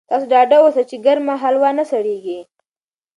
تاسو ډاډه اوسئ چې ګرمه هلوا نه سړېږي.